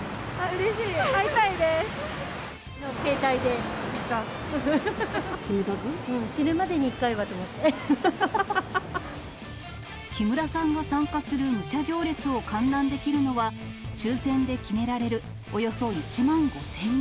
うん、木村さんが参加する武者行列を観覧できるのは、抽せんで決められる、およそ１万５０００人。